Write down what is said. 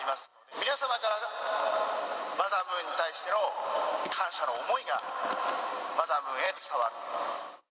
皆様からのマザームーンに対しての感謝の思いがマザームーンへ伝わる。